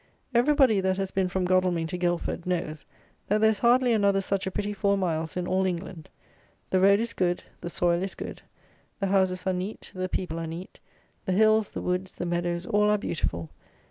Everybody, that has been from Godalming to Guildford, knows, that there is hardly another such a pretty four miles in all England. The road is good; the soil is good; the houses are neat; the people are neat: the hills, the woods, the meadows, all are beautiful.